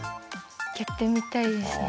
やってみたいですね。